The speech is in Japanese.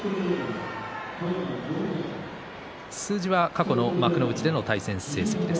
数字は過去の幕内の対戦成績です。